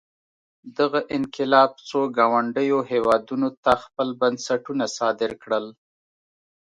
دغه انقلاب څو ګاونډیو هېوادونو ته خپل بنسټونه صادر کړل.